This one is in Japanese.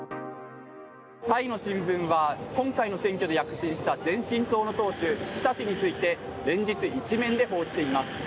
タイの新聞は今回の選挙で躍進した前進党の党首、ピタ氏について連日１面で報じています。